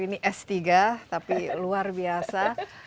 ini s tiga tapi luar biasa